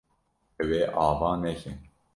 Ew ê ava neke.